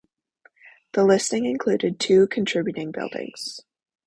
The listing included two contributing buildings.